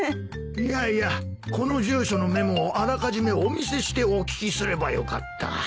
いやいやこの住所のメモをあらかじめお見せしてお聞きすればよかった。